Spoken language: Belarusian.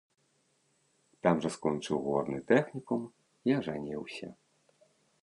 Там жа скончыў горны тэхнікум і ажаніўся.